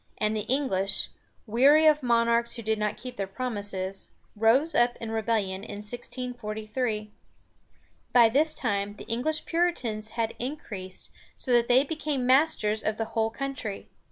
and the English, weary of monarchs who did not keep their promises, rose up in rebellion in 1643. By this time, the English Puritans had increased so that they became masters of the whole country.